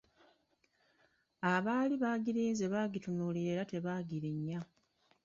Abaali bagirinze baagitunuulira era tebaagirinya.